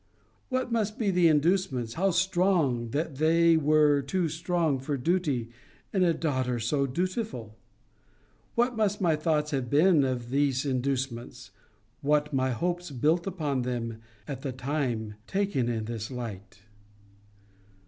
'What must be the inducements, how strong, that were too strong for duty, in a daughter so dutiful? What must my thoughts have been of these inducements, what my hopes built upon them at the time, taken in this light?'